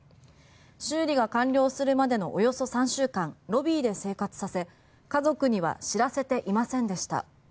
修理が完了するまでのおよそ３週間ロビーで生活させ家族には知らせていませんでした。